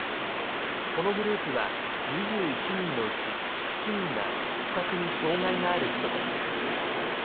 このグループは２１人のうち７人が、視覚に障害がある人たちです。